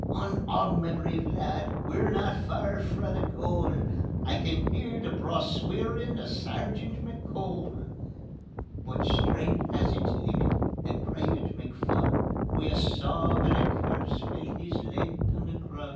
"On, on, ma brave lad! We're no faur frae the goal; I can hear the braw sweerin' o' Sergeant McCole." But strength has its leemit, and Private McPhun, Wi' a sab and a curse fell his length on the grun'.